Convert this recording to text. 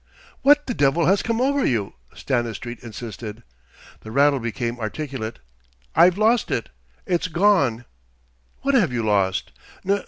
"What the devil has come over you?" Stanistreet insisted. The rattle became articulate: "I've lost it! It's gone!" "What have you lost?"